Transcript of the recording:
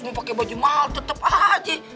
mau pakai baju mahal tetep aja